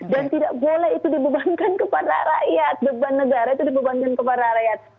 dan tidak boleh itu dibebankan kepada rakyat beban negara itu dibebankan kepada rakyat